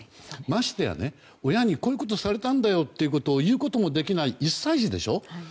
ましてや、親にこういうことをされたんだよと言うこともできない１歳児でしょ。